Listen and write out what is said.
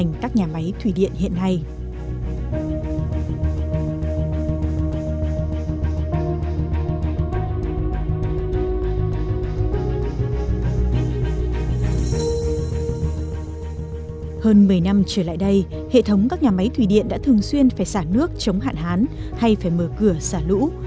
hơn một mươi năm trở lại đây hệ thống các nhà máy thủy điện đã thường xuyên phải xả nước chống hạn hán hay phải mở cửa xả lũ